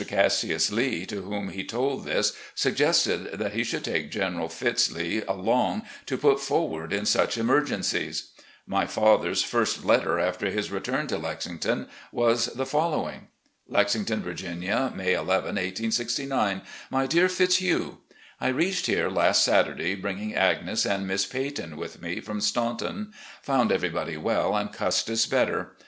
Cassius Lee, to whom he told this, suggested that he should take General Fitz. Lee along to put forward in such emergencies. My father's first letter after his return to Lexington was the following: 352 RECOLLECTIONS OF GENERAL LEE "Lexington, Viiginia, May ii, 1869. *'My Dear Fitzhugh: I reached here last Saturday, bringing Agnes and Miss Pe3rton with me from Staimton. Found everybody well and Custis better.